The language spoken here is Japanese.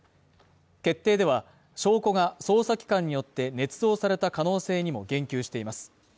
決定では、証拠が捜査機関によって捏造された可能性にも言及しています。